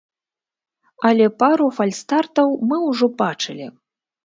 Але пару фальстартаў мы ўжо бачылі.